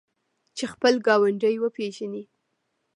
چې خپل ګاونډی وپیژني.